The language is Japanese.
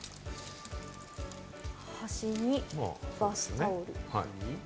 端にバスタオル。